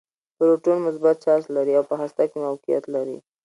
پروټون مثبت چارچ لري او په هسته کې موقعیت لري.